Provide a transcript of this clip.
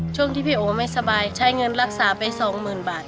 ช่วงที่พี่โอไม่สบายใช้เงินรักษาไป๒๐๐๐บาท